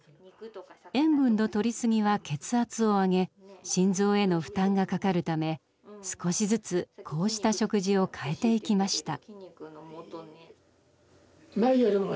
塩分のとり過ぎは血圧を上げ心臓への負担がかかるため少しずつこうした食事を変えていきました。